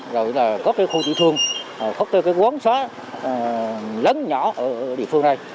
rồi là có cái khu tự thương có cái quấn xóa lớn nhỏ ở địa phương đây